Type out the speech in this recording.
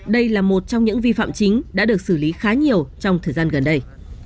đây là một trong những vi phạm chính đã được xử lý khá nhiều trong thời gian gần đây